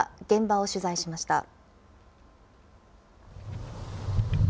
現場を取材しました。